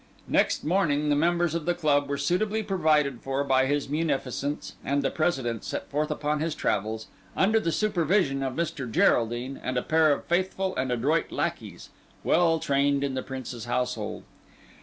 Next morning the members of the club were suitably provided for by his munificence, and the President set forth upon his travels, under the supervision of Mr. Geraldine, and a pair of faithful and adroit lackeys, well trained in the Prince's household.